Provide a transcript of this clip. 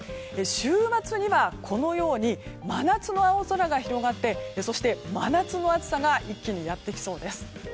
週末にはこのように真夏の青空が広がってそして真夏の暑さが一気にやってきそうです。